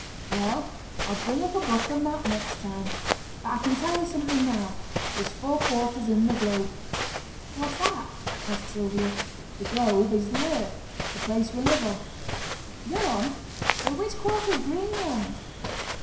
'Well, I'll bring up a book and a map next time. But I can tell you something now. There's four quarters in the globe.' 'What's that?' asked Sylvia. 'The globe is the earth; the place we live on.' 'Go on. Which quarter is Greenland?'